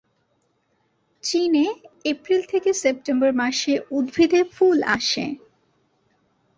চীনে এপ্রিল থেকে সেপ্টেম্বর মাসে উদ্ভিদে ফুল আসে।